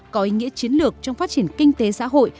có ý nghĩa chiến lược trong phát triển kinh tế xã hội